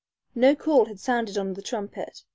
No call had sounded on the trumpet.